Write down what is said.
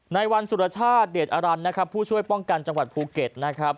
ในวันสุรชาติเดชอรันนะครับผู้ช่วยป้องกันจังหวัดภูเก็ตนะครับ